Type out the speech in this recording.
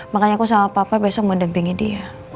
makanya aku sama papa besok mau dempingin dia